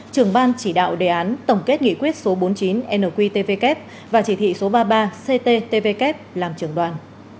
trưởng ban chỉ đạo đề án tổng kết nghị quyết số bốn mươi chín nqtvk và chỉ thị số ba mươi ba cttvk làm trưởng đoàn